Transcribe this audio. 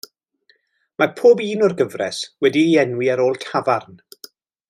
Mae pob un o'r gyfres wedi'i enwi ar ôl tafarn.